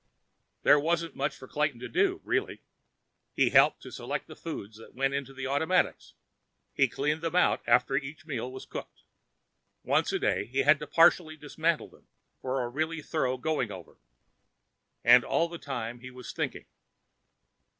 There wasn't much for Clayton to do, really. He helped to select the foods that went into the automatics, and he cleaned them out after each meal was cooked. Once every day, he had to partially dismantle them for a really thorough going over. And all the time, he was thinking.